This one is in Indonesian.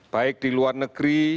baik di luar negeri